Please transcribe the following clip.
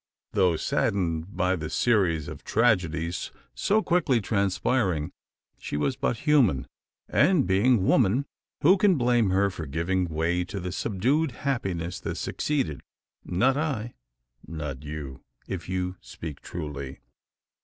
Though saddened by the series of tragedies so quickly transpiring, she was but human; and, being woman, who can blame her for giving way to the subdued happiness that succeeded? Not I. Not you, if you speak truly.